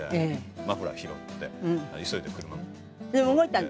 マフラー拾って急いで車を。